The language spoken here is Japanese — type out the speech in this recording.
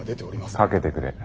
かけてくれ。